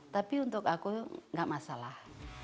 tapi untuk aku gak masalah